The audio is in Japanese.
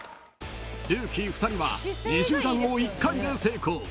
［ルーキー２人は２０段を１回で成功］